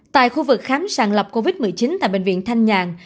tại khu vực khám sàng lập covid một mươi chín tại bệnh viện thanh nhàng